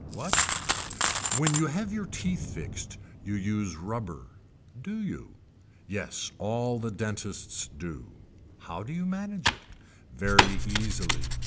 What. When you have your teeth fixed you use rubber. Do you. Yes all the dentists do. How do you manage it. Very easily.